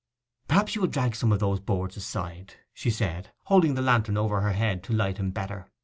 'Perhaps you will drag some of those boards aside?' she said, holding the lantern over her head to light him better.